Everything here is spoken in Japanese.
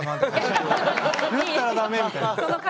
言ったら駄目みたいな。